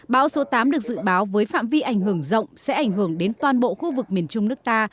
bão số tám được dự báo với phạm vi ảnh hưởng rộng sẽ ảnh hưởng đến toàn bộ khu vực miền trung nước ta